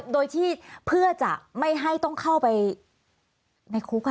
โดยที่เพื่อจะไม่ให้ต้องเข้าไปในคุก